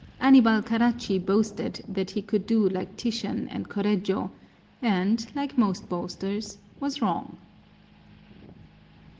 Annibal Caracci boasted that he could do like Titian and Correggio, and, like most boasters, was wrong.